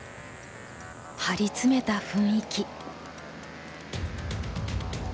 張り詰めた雰囲気。